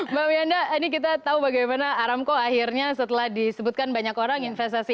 mbak wiyanda ini kita tahu bagaimana aramco akhirnya setelah disebutkan banyak orang investasi